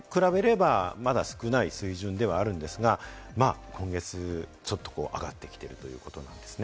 そこから比べれば、まだ少ない水準ではあるんですが、今月、ちょっと上がってきているということなんですね。